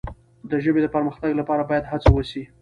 د ژبې د پرمختګ لپاره باید هڅه وسي.